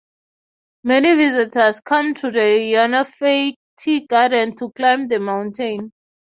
Many visitors come to the Yannanfei Tea Garden to climb the mountain.